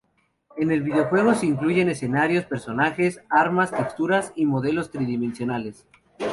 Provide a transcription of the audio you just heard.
En el videojuego se incluyen escenarios, personajes, armas, texturas y modelos tridimensionales.